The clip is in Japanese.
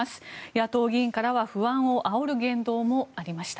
野党議員からは不安をあおる言動もありました。